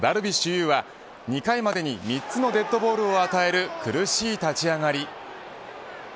有は２回までに３つのデッドボールを与える苦しい立ち上がり。